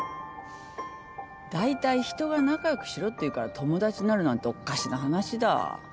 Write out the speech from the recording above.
だいたい人が仲良くしろって言うから友達になるなんておかしな話だ。